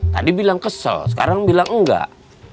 tadi bilang kesel sekarang bilang enggak